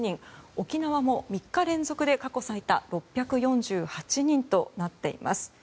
沖縄も３日連続で過去最多６４８人となっています。